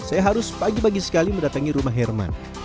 saya harus pagi pagi sekali mendatangi rumah herman